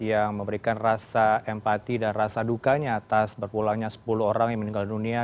yang memberikan rasa empati dan rasa dukanya atas berpulangnya sepuluh orang yang meninggal dunia